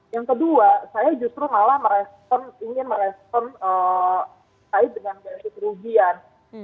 yang kedua saya justru malah ingin merespon kait dengan ganti kerugian